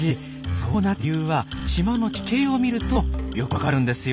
そうなった理由は島の地形を見るとよく分かるんですよ。